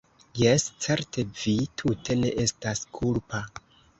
jes, certe, vi tute ne estas kulpa.